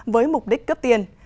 với mục đích cướp tiền